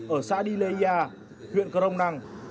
ở xã đi lê gia huyện crong năng